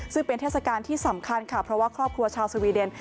ซึ่งเป็นเทศกาลที่สำคัญค่ะเพราะว่าครอบครัวชาวสวีเดน